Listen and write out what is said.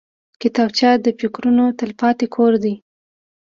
کتابچه د فکرونو تلپاتې کور دی